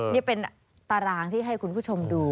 นี่เป็นตารางที่ให้คุณผู้ชมดู